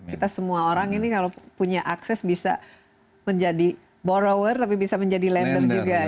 kita semua orang ini kalau punya akses bisa menjadi borrower tapi bisa menjadi lender juga